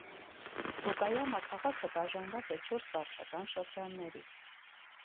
Օկայամա քաղաքը բաժանված է չորս վարչական շրջանների։